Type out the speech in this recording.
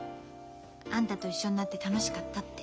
「あんたと一緒になって楽しかった」って。